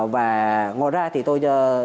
và ngồi ra thì tôi